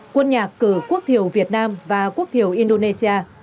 quân nhạc cử quốc thiểu việt nam và quốc thiểu indonesia